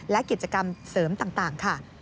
และกิจกรรมเสริมต่างค่ะ